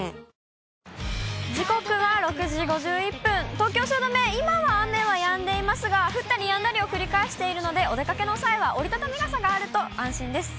東京・汐留、今は雨はやんでいますが、降ったりやんだりを繰り返しているので、お出かけの際は、折り畳み傘があると安心です。